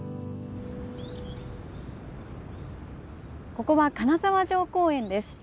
ここは金沢城公園です。